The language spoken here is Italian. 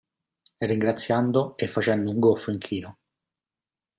Ringraziando e facendo un goffo inchino.